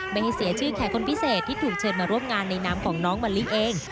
ไม่ให้เสียชื่อแขกคนพิเศษที่ถูกเชิญมาร่วมงานในน้ำของน้องมะลิเอง